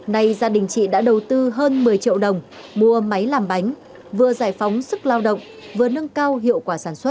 nay gia đình chị đã đầu tư hơn một mươi triệu đồng mua máy làm bánh vừa giải phóng sức lao động vừa nâng cao hiệu quả sản xuất